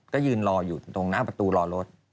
ก็ยืนรออยู่ตรงหน้าประตูรอรถ